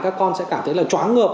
các con sẽ cảm thấy là chóa ngợp